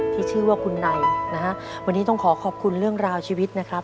ที่ชื่อว่าคุณในนะฮะวันนี้ต้องขอขอบคุณเรื่องราวชีวิตนะครับ